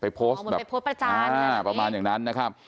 ไปโพสต์อ๋อเหมือนไปโพสต์ประจานอ่าประมาณอย่างนั้นนะครับ